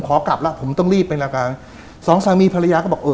ขอกลับแล้วผมต้องรีบไปรายการสองสามีภรรยาก็บอกเออ